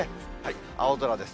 青空です。